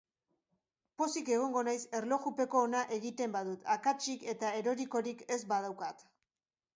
Pozik egongo naiz erlojupeko ona egiten badut, akatsik eta erorikorik ez badaukat.